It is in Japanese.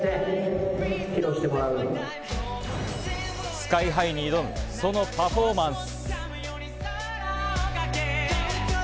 ＳＫＹ−ＨＩに挑む、そのパフォーマンス。